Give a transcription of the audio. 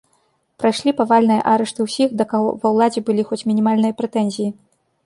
Прайшлі павальныя арышты ўсіх, да каго ва ўладзе былі хоць бы мінімальныя прэтэнзіі.